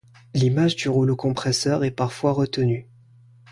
L'image du rouleau compresseur est parfois retenue.